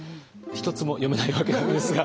一つも読めないわけなんですが。